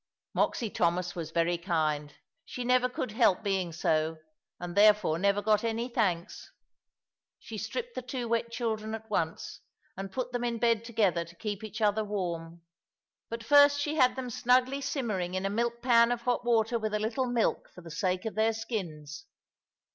Moxy Thomas was very kind; she never could help being so, and therefore never got any thanks. She stripped the two wet children at once, and put them in bed together to keep each other warm. But first she had them snugly simmering in a milk pan of hot water with a little milk for the sake of their skins.